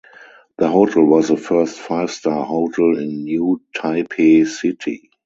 The hotel was the first Five star hotel in New Taipei City.